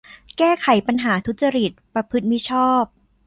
แก้ไขปัญหาทุจริต ประพฤติมิชอบ